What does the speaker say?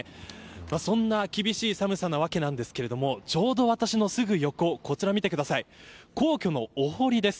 そんな厳しい寒さなわけですがちょうど私のすぐ横こちらを送ります。